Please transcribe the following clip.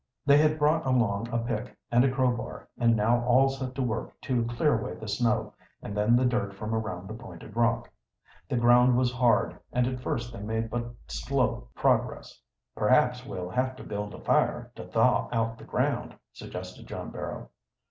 They had brought along a pick and a crowbar, and now all set to work to clear away the snow, and then the dirt from around the pointed rock. The ground was hard, and at first they made but slow progress. "Perhaps we'll have to build a fire, to thaw out the ground," suggested John Barrow.